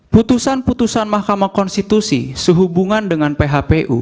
putusan putusan mahkamah konstitusi sehubungan dengan phpu